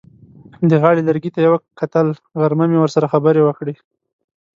د غاړې لرګي ته یې کتل: غرمه مې ورسره خبرې وکړې.